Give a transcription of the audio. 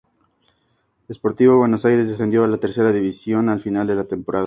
Sportivo Buenos Aires descendió a la Tercera División al final de la temporada.